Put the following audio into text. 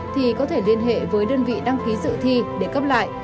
thì có thể liên hệ với đơn vị đăng ký dự thi để cấp lại